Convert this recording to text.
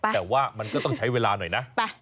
แต่ว่ามันก็ต้องใช้เวลาหน่อยนะ